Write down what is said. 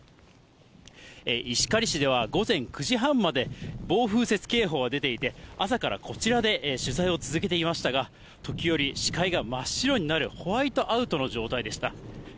石狩市では午前９時半まで、暴風雪警報が出ていて、朝からこちらで取材を続けていましたが、時折、視界が真っ白になるホワイトアウトの状態でした。